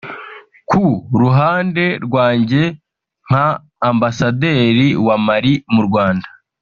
Ku ruhande rwanjye nka ambasaderi wa Mali mu Rwanda